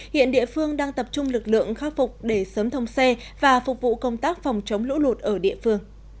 hiện địa phương đang tập trung lực lượng khắc phục để sớm thông xe và phục vụ công tác phòng chống lũ lụt ở địa phương